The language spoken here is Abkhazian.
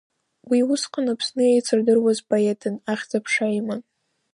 Уи усҟан Аԥсны еицырдыруаз поетын, ахьӡ-аԥша иман.